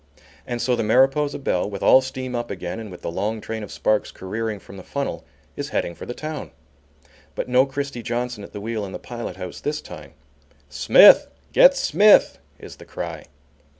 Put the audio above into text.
And so the Mariposa Belle, with all steam up again and with the long train of sparks careering from the funnel, is heading for the town. But no Christie Johnson at the wheel in the pilot house this time. "Smith! Get Smith!" is the cry.